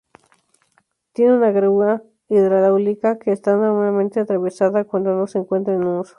Tiene una grúa hidráulica que está normalmente atravesada cuando no se encuentra en uso.